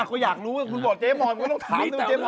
ก็อยากรู้คุณบอกเจ๊มอยมึงต้องถามเจ๊มอยคือพ่อ